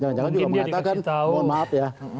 jangan jangan juga mengatakan mohon maaf ya